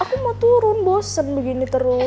aku mau turun bosen begini terus